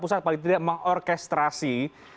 pusat paling tidak mengorkestrasi